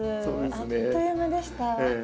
あっという間でした。